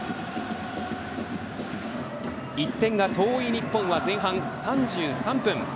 １点が遠い日本は、前半３３分。